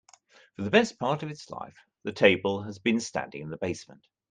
For the best part of its life, the table has been standing in the basement.